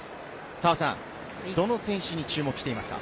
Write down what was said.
澤さん、どの選手に注目していますか？